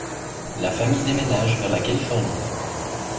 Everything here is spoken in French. La famille déménage vers la Californie.